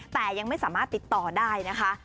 แต่ยังไม่สามารถติดต่อได้นะคะ